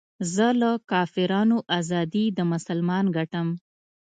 زه له کافرانو ازادي د مسلمان ګټم